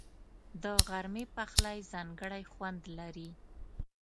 د غرمې پخلی ځانګړی خوند لري